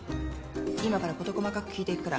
今から事細かく聞いていくから。